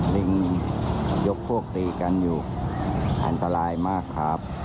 ลิงยกพวกตีกันอยู่อันตรายมากครับ